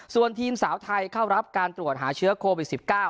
ส่วนทีมสาวไทยเข้ารับการตรวจหาเชื้อโควิด๑๙